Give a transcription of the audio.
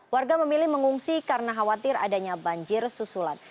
warga memilih mengungsi karena khawatir adanya banjir susulan